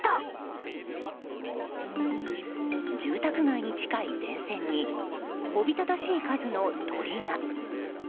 住宅街に近い電線におびただしい数の鳥が。